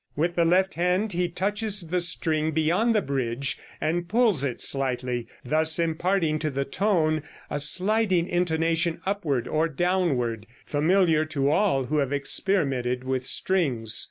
With the left hand he touches the string beyond the bridge and pulls it slightly, thus imparting to the tone a sliding intonation upward or downward, familiar to all who have experimented with strings.